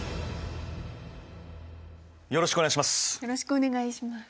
よろしくお願いします。